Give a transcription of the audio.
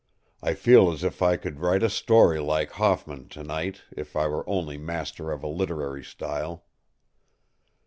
I feel as if I could write a story like Hoffman, to night, if I were only master of a literary style.